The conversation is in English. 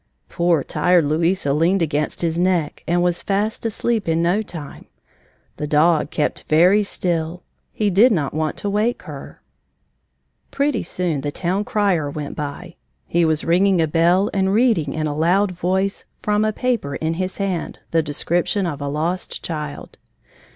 Poor tired Louisa leaned against his neck and was fast asleep in no time. The dog kept very still. He did not want to wake her. Pretty soon the town crier went by. He was ringing a bell and reading in a loud voice, from a paper in his hand, the description of a lost child.